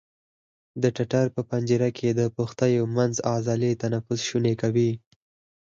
د ټټر په پنجره کې د پښتیو منځ عضلې تنفس شونی کوي.